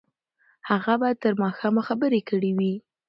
هغه به تر ماښامه خبرې کړې وي.